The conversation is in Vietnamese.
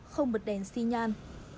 không bật đèn si nhan